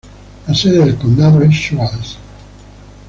La sede del condado es Shoals.